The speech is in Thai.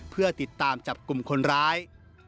เพื่อติดตามจับกลุ่มคนร้าย